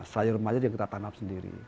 sayur remaja yang kita tanam sendiri